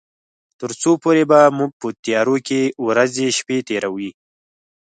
تر څو پورې به موږ په تيارو کې ورځې شپې تيروي.